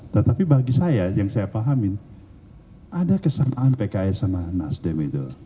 tetapi bagi saya yang saya pahamin ada kesamaan pks sama nasdem itu